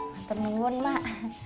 mateng nunggun mak